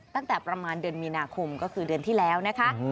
ตั้งแต่ประมาณเดือนมีนาคมก็คือเดือนที่แล้วนะคะ